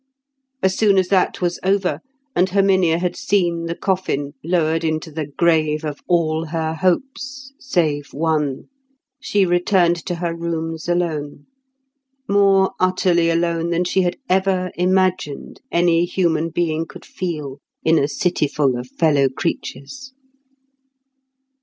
As soon as that was over, and Herminia had seen the coffin lowered into the grave of all her hopes, save one, she returned to her rooms alone—more utterly alone than she had ever imagined any human being could feel in a cityful of fellow creatures.